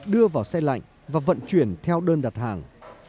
đưa vào xe lạnh và vận chuyển theo đơn đặt hàng